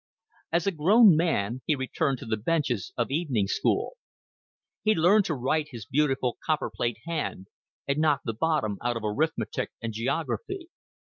As a grown man he returned to the benches of evening school. He learned to write his beautiful copper plate hand, and knocked the bottom out of arithmetic and geography.